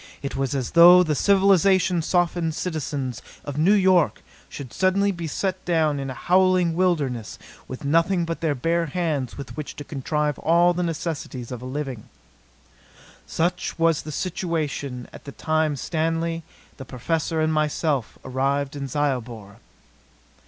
It was as though the civilization softened citizens of New York should suddenly be set down in a howling wilderness with nothing but their bare hands with which to contrive all the necessities of a living. Such was the situation at the time Stanley, the Professor and myself arrived in Zyobor.